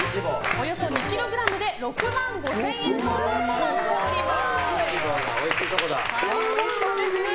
およそ２ｋｇで６万５０００円相当とおいしいところだ。